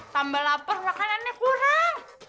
tambah lapar makanannya kurang